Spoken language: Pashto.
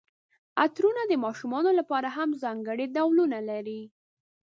عطرونه د ماشومانو لپاره هم ځانګړي ډولونه لري.